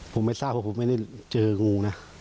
ผมไม่ทราบว่าผมไม่ได้เจองูนะ